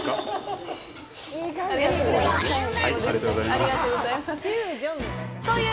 ありがとうございます、はい。